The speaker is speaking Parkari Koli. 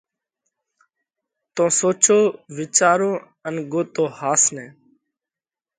تو سوچو وِيچارو ان ڳوتو ۿاس نئہ!